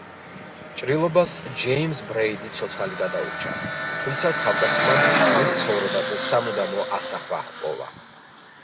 ჭრილობას ჯეიმზ ბრეიდი ცოცხალი გადაურჩა, თუმცა თავდასხმამ მის ცხოვრებაზე სამუდამო ასახვა ჰპოვა.